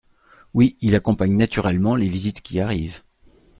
Oui, il accompagne naturellement les visites qui arrivent.